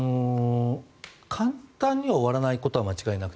簡単には終わらないことは間違いなくて